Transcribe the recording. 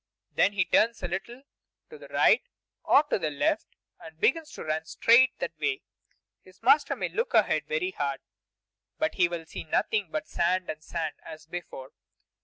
Then he turns a little to the right or to the left, and begins to run straight that way. His master may look ahead very hard, but he will see nothing but sand and sand, as before.